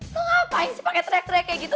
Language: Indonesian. lu ngapain sih pake teriak teriak kayak gitu